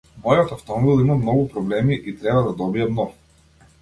Мојот автомобил има многу проблеми и треба да добијам нов.